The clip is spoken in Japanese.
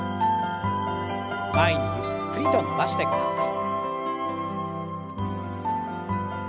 前にゆっくりと伸ばしてください。